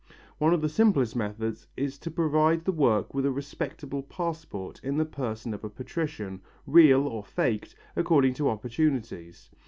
One of the simplest methods is to provide the work with a respectable passport in the person of a patrician, real or faked, according to opportunities.